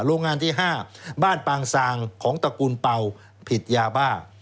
โรงงานที่๕บ้านปางซางของตระกูลเป่าผิดยาบ้า